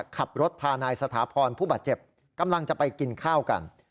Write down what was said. ขับรถพานายสถาพรผู้บาดเจ็บกำลังจะไปกินข้าวกัน